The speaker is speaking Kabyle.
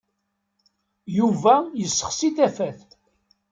Yuba yessexsi tafat.